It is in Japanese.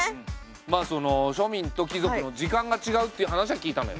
まあその庶民と貴族の時間がちがうっていう話は聞いたのよ。